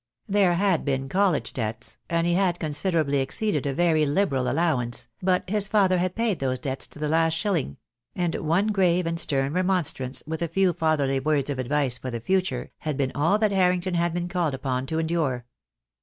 There had been college debts, and he had considerably exceeded a very liberal allowance, but his father had paid those debts to the last shilling; and one grave and stern remonstrance, with a few fatherly words of advice for the future, had been all that Har rington had been called upon to endure.